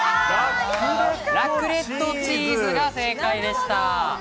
ラクレットチーズが正解でした。